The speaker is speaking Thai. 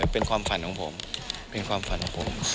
เป็นความฝันของผม